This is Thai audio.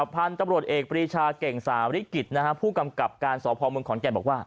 พันธุ์ตำรวจเอกประดิษฐาเก่งสาริกิตผู้กำกับการสภมของแก่